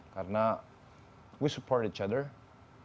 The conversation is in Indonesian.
karena kita mendukung satu sama lain